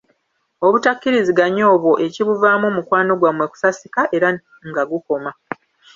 Obutakkiriziganya obwo, ekibuvaamu, mukwano gwammwe kusasika era nga gukoma.